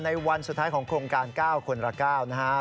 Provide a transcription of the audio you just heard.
วันสุดท้ายของโครงการ๙คนละ๙นะฮะ